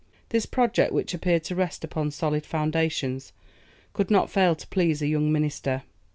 This project, which appeared to rest upon solid foundations, could not fail to please a young minister.